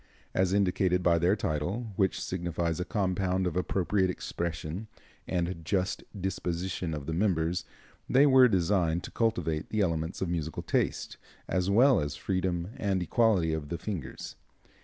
As indicated by their title, which signifies a compound of appropriate expression and just disposition of the members, they were designed to cultivate the elements of musical taste, as well as freedom and equality of the fingers.